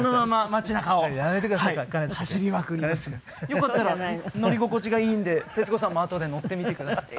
よかったら乗り心地がいいんで徹子さんもあとで乗ってみてください。